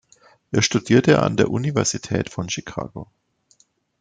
Er studierte an der Universität von Chicago.